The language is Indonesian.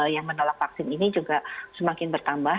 yang menolak vaksin ini juga semakin bertambah